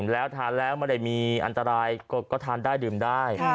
แล้วทานแล้วไม่ได้มีอันตรายก็ทานได้ดื่มได้